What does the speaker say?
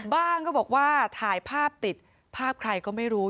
ก็บอกว่าถ่ายภาพติดภาพใครก็ไม่รู้